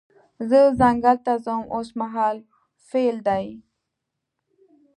زه ځنګل ته ځم اوس مهال فعل دی.